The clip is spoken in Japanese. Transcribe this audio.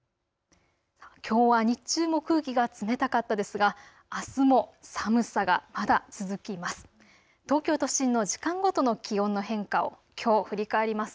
きょうは日中も空気が冷たかったですがあすも寒さがまだ続きます。